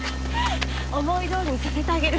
思いどおりにさせてあげる。